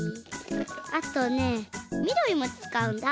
あとねみどりもつかうんだ。